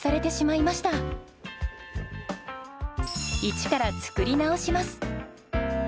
一から作り直します。